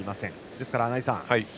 ですから穴井さん